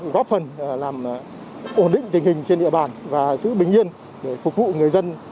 góp phần làm ổn định tình hình trên địa bàn và giữ bình yên để phục vụ người dân